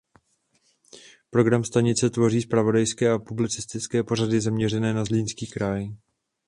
Program stanice tvoří zpravodajské a publicistické pořady zaměřené na Zlínský kraj.